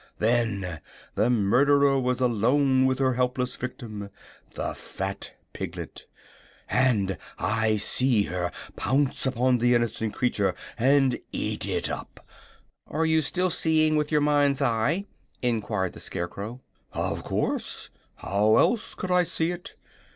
Then the murderer was alone with her helpless victim, the fat piglet, and I see her pounce upon the innocent creature and eat it up " "Are you still seeing with your mind's eye?" enquired the Scarecrow. "Of course; how else could I see it?